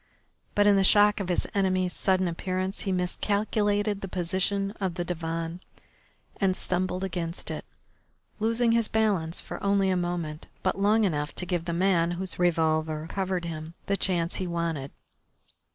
But in the shock of his enemy's sudden appearance he miscalculated the position of the divan and stumbled against it, losing his balance for only a moment, but long enough to give the man whose revolver covered him the chance he wanted.